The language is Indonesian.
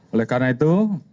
oleh karena itu